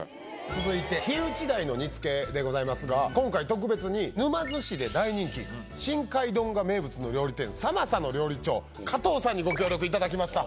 続いてヒウチダイの煮つけでございますが、今回特別に沼津市で大人気、深海丼が名物の料理店、佐政の料理長、加藤さんにご協力いただきました。